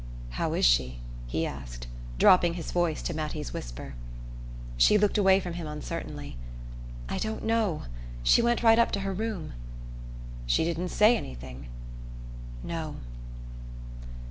"How is she?" he asked, dropping his voice to Mattie's whisper. She looked away from him uncertainly. "I don't know. She went right up to her room." "She didn't say anything?" "No."